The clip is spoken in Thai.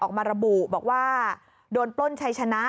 ออกมาระบุบอกว่าโดนปล้นชัยชนะ